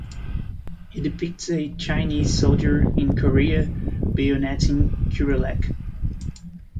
It depicts a Chinese soldier in Korea bayonetting Kurelek.